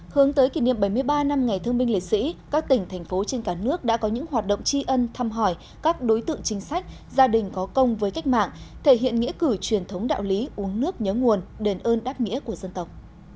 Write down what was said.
hướng tới kỷ niệm bảy mươi ba năm ngày thương minh liệt sĩ các tỉnh thành phố trên cả nước đã có những hoạt động tri ân thăm hỏi các đối tượng chính sách gia đình có công với cách mạng thể hiện nghĩa cử truyền thống đạo lý uống nước nhớ nguồn đền ơn đáp nghĩa của dân tộc